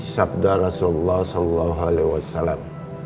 sabda rasulullah saw